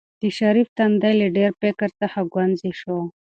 د شریف تندی له ډېر فکر څخه ګونځې شو.